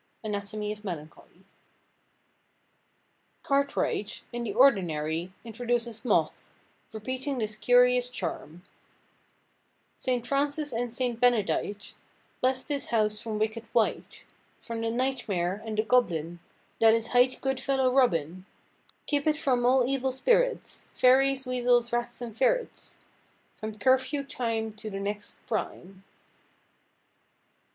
—(Anatomy of Melancholie.) Cartwright, in The Ordinary, introduces Moth, repeating this curious charm:— "Saint Frances and Saint Benedight Blesse this house from wicked wight, From the nightmare, and the goblin That is hight Goodfellow Robin; Keep it from all evil spirits, Fairies, weezels, rats, and ferrets; From curfew time To the next prime."